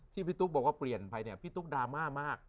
พี่ตุ๊กบอกว่าเปลี่ยนไปเนี่ยพี่ตุ๊กดราม่ามาก